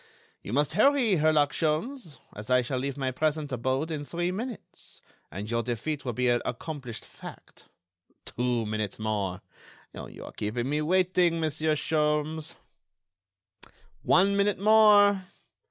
You must hurry, Herlock Sholmes, as I shall leave my present abode in three minutes, and your defeat will be an accomplished fact.... Two minutes more! you are keeping me waiting, Monsieur Sholmes.... One minute more!